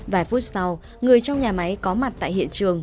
vài phút sau người trong nhà máy có mặt tại hiện trường